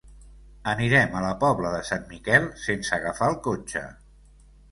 Anirem a la Pobla de Sant Miquel sense agafar el cotxe.